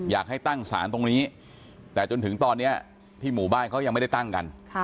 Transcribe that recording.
อยากให้ตั้งศาลตรงนี้แต่จนถึงตอนนี้ที่หมู่บ้านเขายังไม่ได้ตั้งกัน